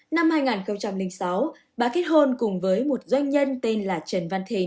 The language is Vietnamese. năm hai nghìn sáu bà kết hôn cùng với một doanh nhân tên là trần văn thị